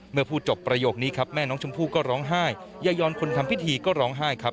เมื่อพูดจบประโยคนี้ครับแม่น้องชมพู่ก็ร้องไห้ยายอนคนทำพิธีก็ร้องไห้ครับ